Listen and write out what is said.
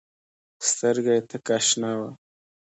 سترګه يې تکه شنه وه.